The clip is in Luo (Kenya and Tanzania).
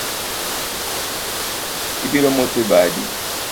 Ibiro moto e badi